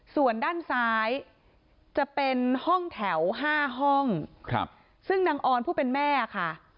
ส่วนด้านซ้ายจะเป็นห้องแถวห้าห้องครับซึ่งนางออนผู้เป็นแม่ค่ะ